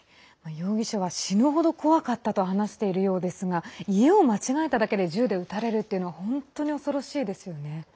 容疑者は死ぬほど怖かったと話しているようですがただ家を間違えただけで銃で撃たれるっていうのは本当に恐ろしいです。